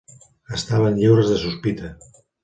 Estaven lliures de sospita.